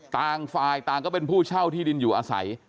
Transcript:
ต่างฝ่ายต่างก็เป็นผู้เช่าที่ดินอยู่อาศัย